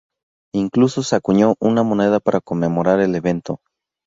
Incluso se acuñó una moneda para conmemorar el evento.